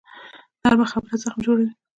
نرمه خبره زخم جوړوي